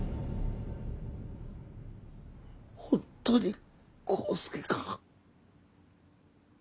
本当に黄介か？